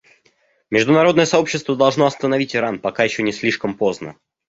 Международное сообщество должно остановить Иран, пока еще не слишком поздно.